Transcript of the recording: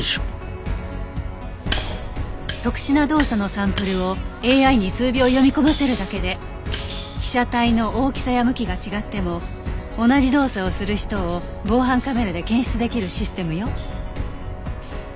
特殊な動作のサンプルをＡＩに数秒読み込ませるだけで被写体の大きさや向きが違っても同じ動作をする人を防犯カメラで検出できるシステムよ。